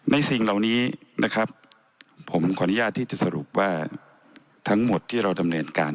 สิ่งเหล่านี้นะครับผมขออนุญาตที่จะสรุปว่าทั้งหมดที่เราดำเนินการ